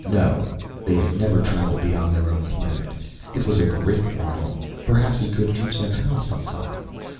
No they had never traveled beyond their own planet. It was a great marvel; perhaps he could teach them how, sometime.